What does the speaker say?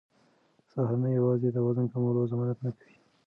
سهارنۍ یوازې د وزن کمولو ضمانت نه کوي.